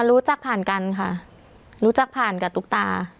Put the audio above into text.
รู้จักผ่านกันค่ะรู้จักผ่านกับตุ๊กตา